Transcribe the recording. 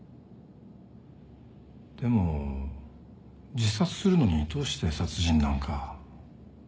でも自殺するのにどうして殺人なんか？